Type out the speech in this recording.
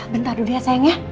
bentar dulu yao sayang